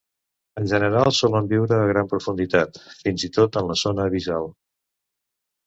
En general solen viure a gran profunditat, fins i tot en la zona abissal.